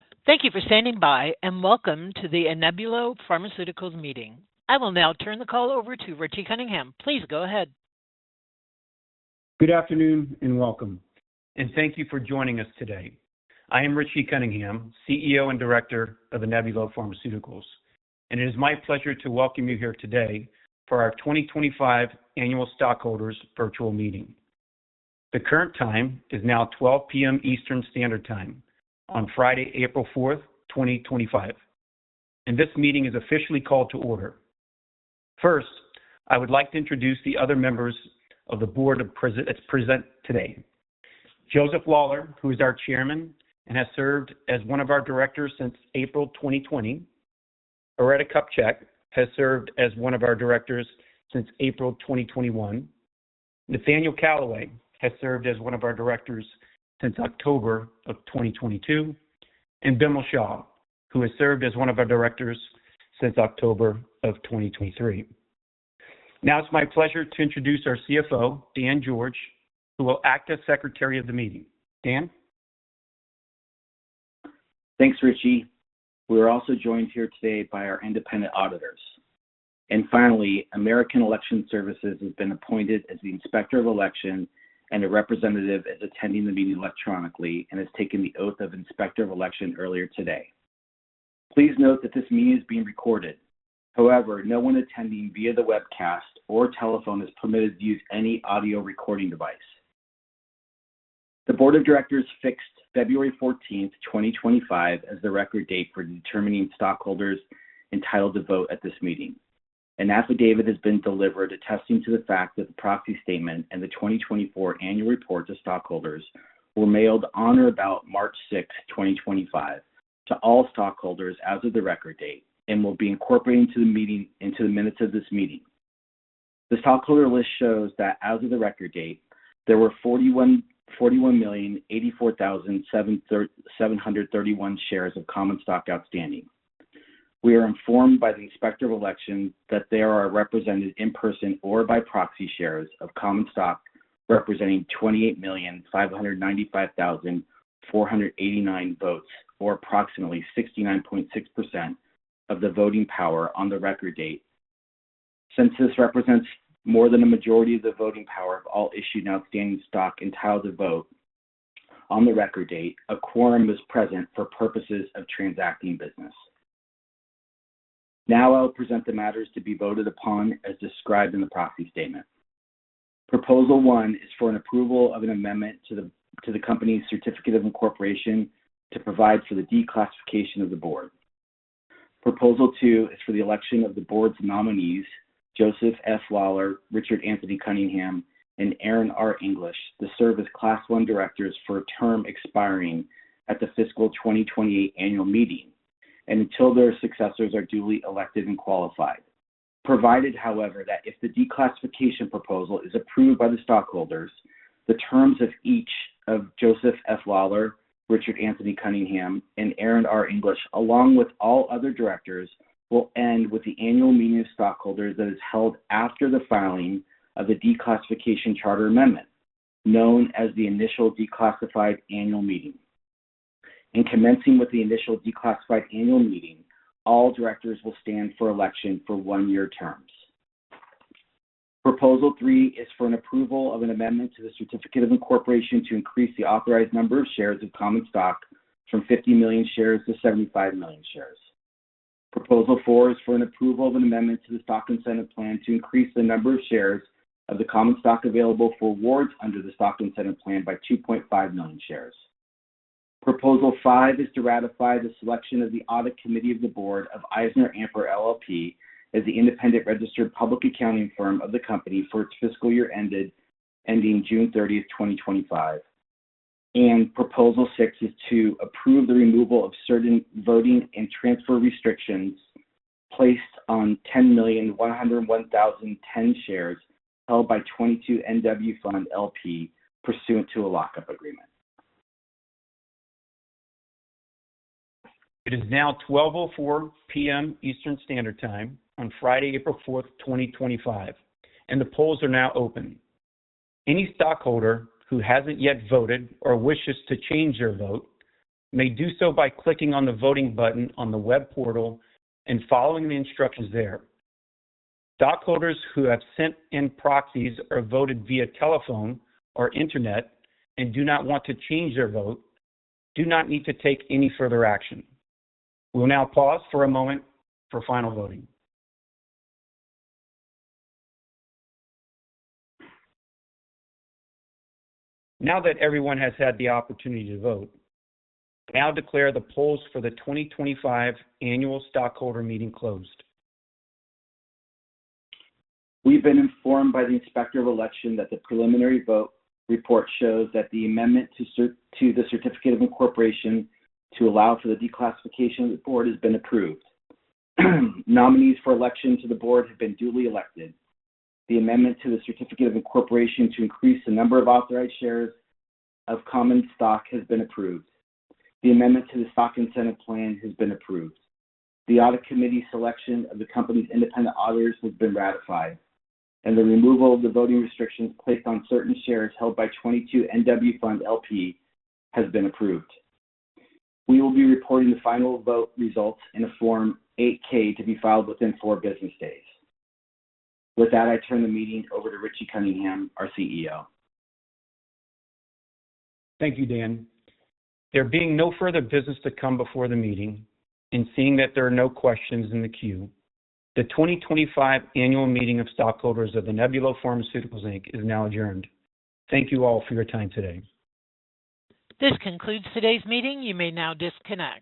Thank you for standing by, and welcome to the Anebulo Pharmaceuticals meeting. I will now turn the call over to Richie Cunningham. Please go ahead. Good afternoon and welcome, and thank you for joining us today. I am Richie Cunningham, CEO and Director of Anebulo Pharmaceuticals, and it is my pleasure to welcome you here today for our 2025 Annual Stockholders' Virtual Meeting. The current time is now 12:00 P.M. Eastern Standard Time on Friday, April 4, 2025, and this meeting is officially called to order. First, I would like to introduce the other members of the Board that's present today: Joseph Lawler, who is our Chairman and has served as one of our Directors since April 2020. Areta Kupchyk has served as one of our Directors since April 2021. Nathaniel Calloway has served as one of our Directors since October of 2022. And Bimal Shah, who has served as one of our Directors since October of 2023. Now it's my pleasure to introduce our CFO, Dan George, who will act as Secretary of the Meeting. Dan? Thanks, Richie. We are also joined here today by our independent auditors, and finally, American Election Services has been appointed as the Inspector of Elections, and a representative is attending the meeting electronically and has taken the oath of Inspector of Elections earlier today. Please note that this meeting is being recorded. However, no one attending via the webcast or telephone is permitted to use any audio recording device. The Board of Directors fixed February 14, 2025, as the record date for determining stockholders entitled to vote at this meeting. An affidavit has been delivered attesting to the fact that the proxy statement and the 2024 Annual Report to Stockholders were mailed on or about March 6, 2025, to all stockholders as of the record date and will be incorporated into the minutes of this meeting. The stockholder list shows that as of the record date, there were 41,084,731 shares of common stock outstanding. We are informed by the Inspector of Elections that there are represented in person or by proxy shares of common stock representing 28,595,489 votes, or approximately 69.6% of the voting power on the record date. Since this represents more than a majority of the voting power of all issued and outstanding stock entitled to vote on the record date, a quorum is present for purposes of transacting business. Now I'll present the matters to be voted upon as described in the proxy statement. Proposal One is for an approval of an amendment to the company's Certificate of Incorporation to provide for the declassification of the Board. Proposal Two is for the election of the Board's nominees: Joseph F. Lawler, Richard Anthony Cunningham, and Aron R. English, to serve as Class I Directors for a term expiring at the fiscal 2028 Annual Meeting and until their successors are duly elected and qualified. Provided, however, that if the declassification proposal is approved by the stockholders, the terms of each of Joseph F. Lawler, Richard Anthony Cunningham, and Aron R. English, along with all other directors, will end with the Annual Meeting of Stockholders that is held after the filing of the declassification charter amendment, known as the Initial Declassified Annual Meeting. In commencing with the Initial Declassified Annual Meeting, all directors will stand for election for one-year terms. Proposal Three is for an approval of an amendment to the Certificate of Incorporation to increase the authorized number of shares of common stock from 50 million shares to 75 million shares. Proposal Four is for an approval of an amendment to the Stock Incentive Plan to increase the number of shares of the common stock available for awards under the Stock Incentive Plan by 2.5 million shares. Proposal Five is to ratify the selection of the Audit Committee of the Board of EisnerAmper LLP as the independent registered public accounting firm of the company for its fiscal year ending June 30, 2025. And Proposal Six is to approve the removal of certain voting and transfer restrictions placed on 10,101,010 shares held by 22NW Fund LP pursuant to a lock-up agreement. It is now 12:04 P.M. Eastern Standard Time on Friday, April 4, 2025, and the polls are now open. Any stockholder who hasn't yet voted or wishes to change their vote may do so by clicking on the voting button on the web portal and following the instructions there. Stockholders who have sent in proxies or voted via telephone or internet and do not want to change their vote do not need to take any further action. We'll now pause for a moment for final voting. Now that everyone has had the opportunity to vote, I now declare the polls for the 2025 Annual Stockholder Meeting closed. We've been informed by the Inspector of Elections that the preliminary vote report shows that the amendment to the Certificate of Incorporation to allow for the declassification of the Board has been approved. Nominees for election to the Board have been duly elected. The amendment to the Certificate of Incorporation to increase the number of authorized shares of common stock has been approved. The amendment to the Stock Incentive Plan has been approved. The Audit Committee selection of the company's independent auditors has been ratified, and the removal of the voting restrictions placed on certain shares held by 22NW Fund LP has been approved. We will be reporting the final vote results in a Form 8-K to be filed within four business days. With that, I turn the meeting over to Richie Cunningham, our CEO. Thank you, Dan. There being no further business to come before the meeting and seeing that there are no questions in the queue, the 2025 annual meeting of stockholders of Anebulo Pharmaceuticals Inc. is now adjourned. Thank you all for your time today. This concludes today's meeting. You may now disconnect.